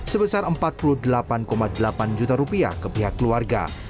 sebesar rp empat puluh delapan delapan juta rupiah ke pihak keluarga